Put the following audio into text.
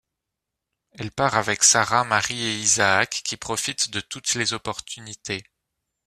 Elle part avec Sarah, Mary et Isaac qui profitent de toutes les opportunités.